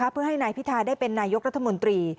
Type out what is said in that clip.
เพื่อให้นายพิทาได้เป็นนายกรัฐมนตรี